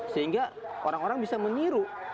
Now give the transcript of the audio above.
sehingga orang orang bisa meniru